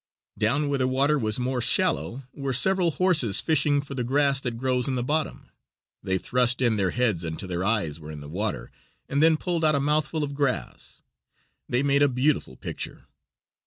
Down where the water was more shallow were several horses fishing for the grass that grows in the bottom; they thrust in their heads until their eyes were in the water, and then pulled out a mouthful of grass; they made a beautiful picture.